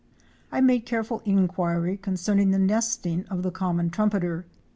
I made careful inquiry concerning the nesting of the Common Trumpeter.